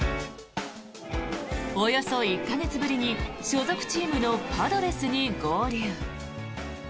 およそ１か月ぶりに所属チームのパドレスに合流。